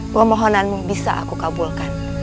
pemohonanmu bisa aku kabulkan